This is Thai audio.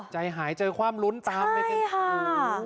ใจหายเจอความรุ้นตามไปกัน